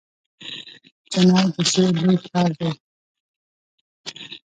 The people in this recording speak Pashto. چنای د سویل لوی ښار دی.